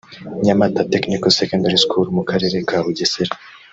Nyamata Technical Secondary School mu karere ka Bugesera